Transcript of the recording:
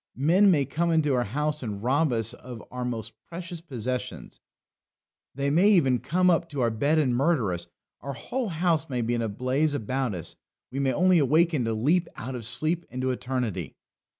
Men may come into our house and rob us of our most precious possessions; they may even come up to our bed and murder us; our whole house may be in a blaze about us; we may only awaken to leap out of sleep into eternity.